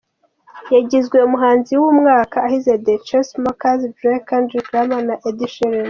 Yagizwe umuhanzi w’umwaka ahize The Chainsmokers, Drake, Kendrick Lamar na Ed Sheeran.